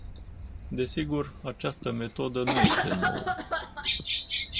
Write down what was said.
Desigur, această metodă nu este nouă.